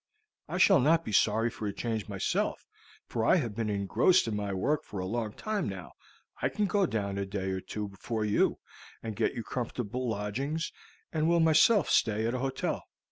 I shall not be sorry for a change myself, for I have been engrossed in my work for a long time now. I can go down a day or two before you, and get you comfortable lodgings, and will myself stay at a hotel.